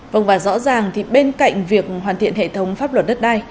vâng và rõ ràng thì bên cạnh việc hoàn thiện hệ thống pháp luật đất đai